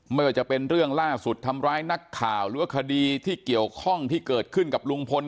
ไม่ว่าจะเป็นเรื่องล่าสุดทำร้ายนักข่าวหรือว่าคดีที่เกี่ยวข้องที่เกิดขึ้นกับลุงพล